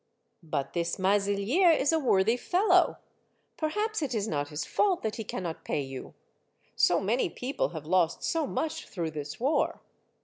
'' But this MaziHer is a worthy fellow. Perhaps it The Ferry, 1 1 5 is not his fault that he cannot pay you. So many people have lost so much through this war."